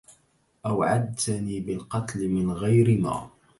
أوعدتني بالقتل من غير ما